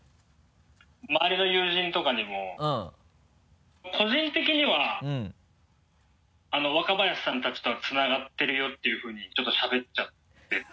周りの友人とかにも個人的には若林さんたちとはつながってるよっていうふうにちょっとしゃべっちゃってて。